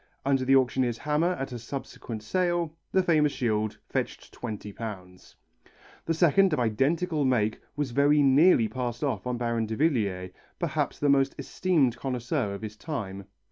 Under the auctioneer's hammer at a subsequent sale, the famous shield fetched £20. The second, of identical make, was very nearly passed off on Baron Davillier, perhaps the most esteemed connoisseur of his time.